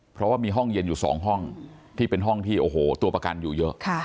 เพราะว่ามีห้องเย็นอยู่๒ห้องที่เป็นห้องที่โอ้โหตัวประกันอยู่เยอะ